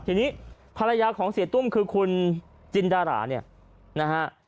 ทีนี้ภรรยาของเสียตุ้มคือคุณจินดาราเนี่ยนะฮะ